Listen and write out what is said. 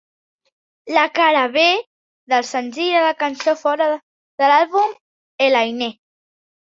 La cara B del senzill era la cançó fora de l'àlbum "Elaine".